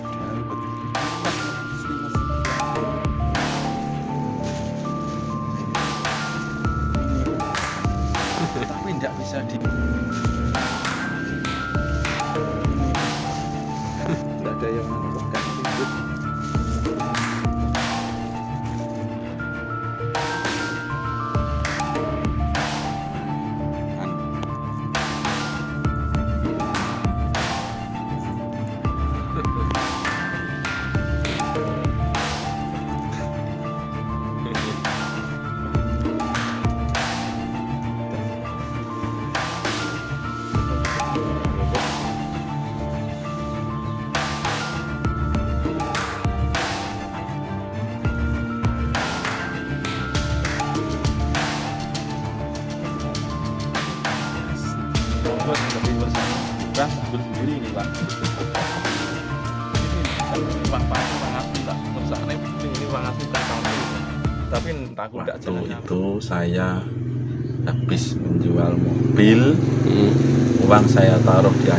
tapi takut atau itu saya habis menjual mobil uang saya taruh di